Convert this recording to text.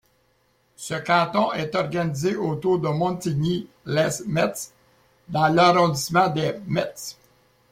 Ce canton est organisé autour de Montigny-lès-Metz dans l'arrondissement de Metz.